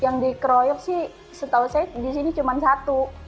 yang dikeroyok sih setahu saya di sini cuma satu